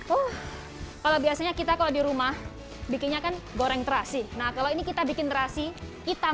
oh kalau biasanya kita kalau di rumah bikinnya kan goreng terasi nah kalau ini kita bikin terasi kita